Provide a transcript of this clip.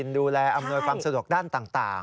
ดูแลอำนวยความสะดวกด้านต่าง